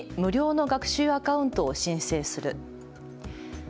取引所に無料の学習アカウントを申請する。